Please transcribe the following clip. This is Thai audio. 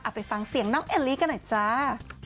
ไปฟังเสียงน้องเอลลี่กันหน่อยจ้า